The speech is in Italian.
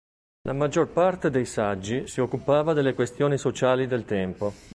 La maggior parte dei saggi si occupava delle questioni sociali del tempo.